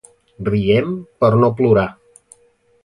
Riem per no plorar!